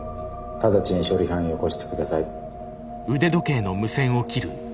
直ちに処理班よこしてください。